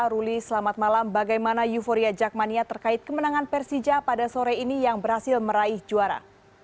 ruli selamat malam bagaimana euforia jackmania terkait kemenangan persija pada sore ini yang berhasil meraih juara